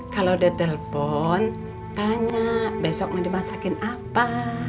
kalau udah telfon tanya besok mau dimasakin apa